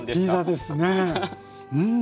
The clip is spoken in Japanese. うん。